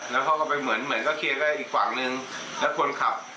แล้วเขาก็ไปเหมือนเหมือนก็เคลียร์กับอีกฝั่งนึงแล้วคนขับ